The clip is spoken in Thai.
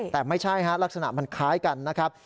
แต่ไม่ใช่ฮะลักษณะมันคล้ายกันนะครับ